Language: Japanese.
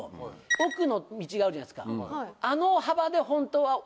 奥の道があるじゃないですか。